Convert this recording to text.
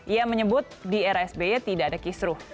ia menyebut di era sby tidak ada kisruh